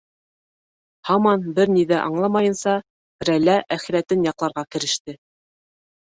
Һаман бер ни ҙә аңламайынса, Рәйлә әхирәтен яҡларға кереште.